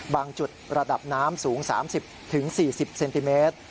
จุดระดับน้ำสูง๓๐๔๐เซนติเมตร